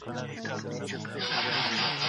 پسه بې رمې نه ګرځي.